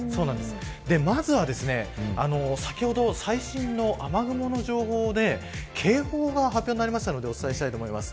まずは先ほど最新の雨雲の情報で警報が発表になりましたのでお伝えします。